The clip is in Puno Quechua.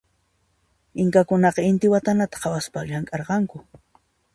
Inkakunaqa intiwatanata khawaspa llamk'arqanku.